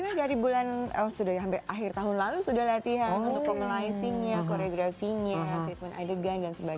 sudah dari bulan oh sudah ya sampai akhir tahun lalu sudah latihan untuk formalizing nya choreografinya treatment idegan dan sebagainya